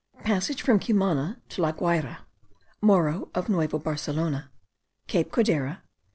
PASSAGE FROM CUMANA TO LA GUAYRA. MORRO OF NUEVA BARCELONA. CAPE CODERA.